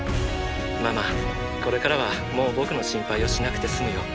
ママこれからはもう僕の心配をしなくて済むよ。